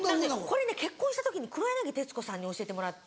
これね結婚した時に黒柳徹子さんに教えてもらって。